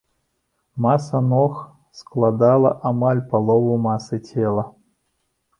Маса ног складала амаль палову масы цела.